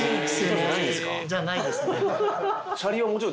じゃないですね。